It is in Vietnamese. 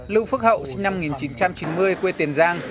lưu phước hậu sinh năm một nghìn chín trăm chín mươi quê tiền giang